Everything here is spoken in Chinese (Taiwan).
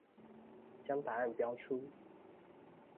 將答案標出